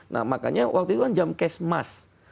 nah makanya waktu itu kan jam kesmas